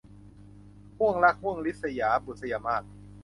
ห้วงรักห้วงริษยา - บุษยมาส